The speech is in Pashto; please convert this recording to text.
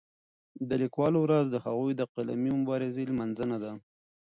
د لیکوالو ورځ د هغوی د قلمي مبارزې لمانځنه ده.